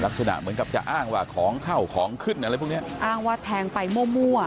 ลักษณะเหมือนกับจะอ้างว่าของเข้าของขึ้นอะไรพวกเนี้ยอ้างว่าแทงไปมั่ว